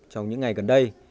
trong những ngày gần đây